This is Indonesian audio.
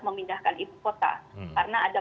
memindahkan ibu kota karena ada